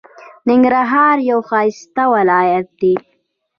ننګرهار یو ښایسته ولایت دی.